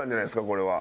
これは。